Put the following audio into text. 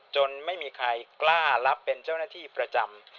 ไม่มีใครกล้ารับเป็นเจ้าหน้าที่ประจำ